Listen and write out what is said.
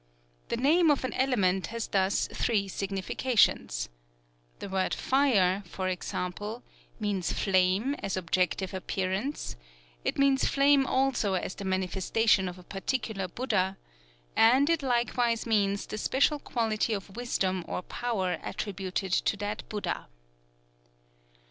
The name of an element has thus three significations. The word Fire, for example, means flame as objective appearance; it means flame also as the manifestation of a particular Buddha; and it likewise means the special quality of wisdom or power attributed to that Buddha.